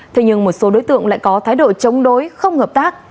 thế nhưng một số đối tượng lại có thái độ chống đối không hợp tác